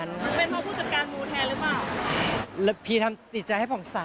ไม่มองผู้จัดการมูแล้วเหรอเปล่า